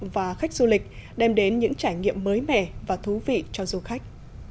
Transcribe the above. và khách du lịch đem đến những trải nghiệm mới mẻ và thú vị cho du khách